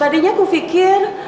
tadinya aku pikir